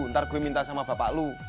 ntar gue minta sama bapak lu